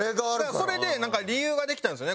それで理由ができたんですよね。